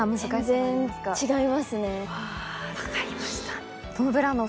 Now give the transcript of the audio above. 全然違いますね。